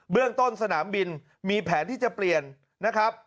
เรื่องต้นสนามบินมีแผนที่จะเปลี่ยนนะครับ